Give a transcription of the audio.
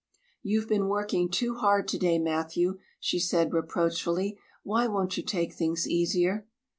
"You've been working too hard today, Matthew," she said reproachfully. "Why won't you take things easier?"